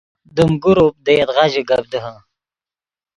دیم گروپ دے یدغا ژے گپ دیہے